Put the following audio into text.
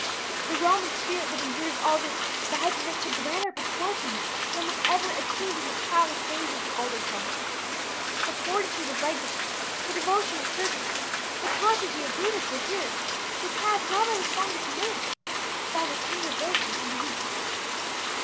The Roman spirit that endured all this rises up to grander proportions than were ever attained in the proudest days of the old republic. The fortitude of Regulus, the devotion of Curtius, the constancy of Brutus, were here surpassed, not by the strong man, but by the tender virgin and the weak child.